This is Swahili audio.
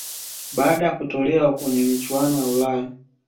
Baada ya kutolewa kwenye michuano ya ulaya